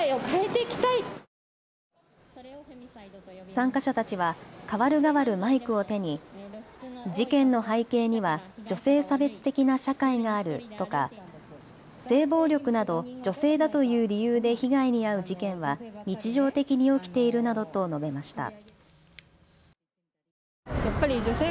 参加者たちはかわるがわるマイクを手に事件の背景には女性差別的な社会があるとか性暴力など女性だという理由で被害に遭う事件は日常的に起きているなどと述べました。